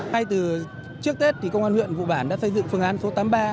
hai từ trước tết thì công an huyện vũ bản đã xây dựng phương án số tám mươi ba